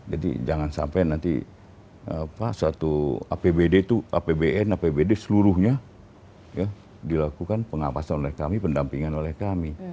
jadi jangan sampai nanti pak suatu apbd itu apbn apbd seluruhnya ya dilakukan pengawasan oleh kami pendampingan oleh kami